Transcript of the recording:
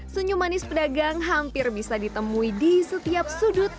senyum manis pedagang hampir bisa ditemui di setiap sudut